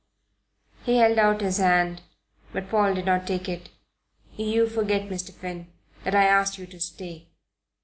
He held out his hand; but Paul did not take it. "You forget, Mr. Finn, that I asked you to stay."